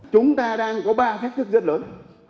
chúng ta đang có ba phép thức rất lớn